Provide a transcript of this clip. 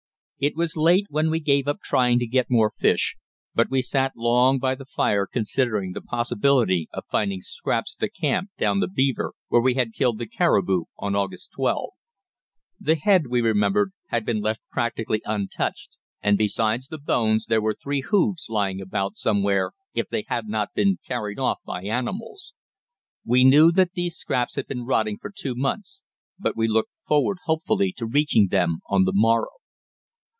It was late when we gave up trying to get more fish, but we sat long by the fire considering the possibility of finding scraps at the camp down the Beaver where we had killed the caribou on August 12. The head, we remembered, had been left practically untouched, and besides the bones there were three hoofs lying about somewhere, if they had not been carried off by animals. We knew that these scraps had been rotting for two months, but we looked forward hopefully to reaching them on the morrow.